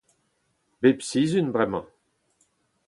bep sizhun, bremañ.